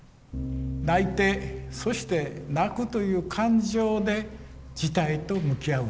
泣いてそして泣くという感情で事態と向き合う。